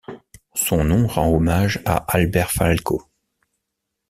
Son nom rend hommage à Albert Falco.